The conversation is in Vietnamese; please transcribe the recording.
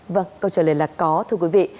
vâng câu trả lời là có thưa quý vị